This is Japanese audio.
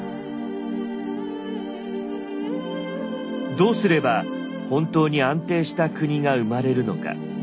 どうすれば本当に安定した国が生まれるのか。